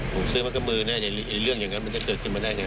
ผมเชื่อว่ากระมือแน่เรื่องอย่างนั้นมันจะเกิดขึ้นมาได้ไง